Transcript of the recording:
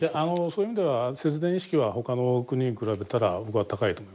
そういう意味では節電意識はほかの国に比べたら僕は高いと思います。